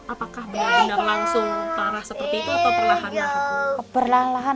apakah benar benar langsung parah seperti itu atau perlahan perlahan